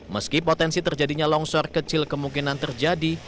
meski potensi terjadinya longsor kecil kemungkinan terjadi